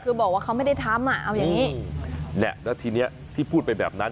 คือบอกว่าเขาไม่ได้ทำอ่ะเอาอย่างงี้เนี่ยแล้วทีเนี้ยที่พูดไปแบบนั้น